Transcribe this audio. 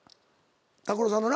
拓郎さんのな